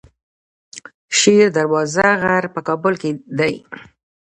شیر دروازه غر په کابل کې دی